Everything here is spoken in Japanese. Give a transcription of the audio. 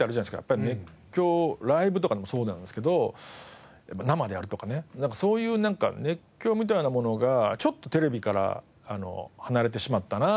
やっぱり熱狂ライブとかでもそうなんですけど生であるとかねそういう熱狂みたいなものがちょっとテレビから離れてしまったなとは思う。